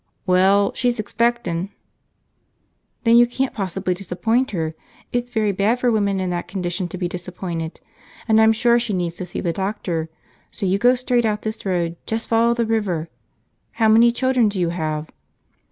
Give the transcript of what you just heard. "Well ... she's expectin'." "Then you can't possibly disappoint her. It's very bad for women in that condition to be disappointed. And I'm sure she needs to see the doctor. So you go straight out this road, just follow the river. .... How many children do you have?"